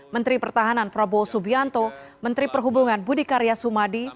menteri pertahanan prabowo subianto menteri perhubungan budi karya sumadi